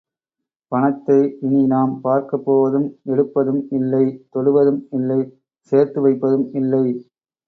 பணத்தை இனி நாம் பார்க்கப் போவதும், எடுப்பதும் இல்லை, தொடுவதும் இல்லை, சேர்த்து வைப்பதும் இல்லை!